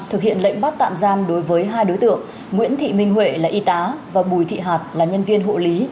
thực hiện lệnh bắt tạm giam đối với hai đối tượng nguyễn thị minh huệ là y tá và bùi thị hạt là nhân viên hộ lý